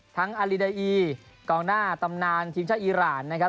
อาริเดอีกองหน้าตำนานทีมชาติอีรานนะครับ